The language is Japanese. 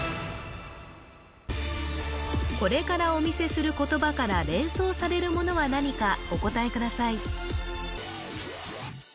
これからお見せする言葉から連想されるものは何かお答えください